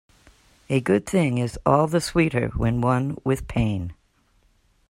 A good thing is all the sweeter when won with pain.